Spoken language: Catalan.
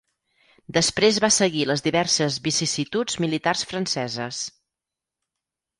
Després va seguir les diverses vicissituds militars franceses.